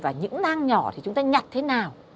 và những nang nhỏ thì chúng ta nhặt thế nào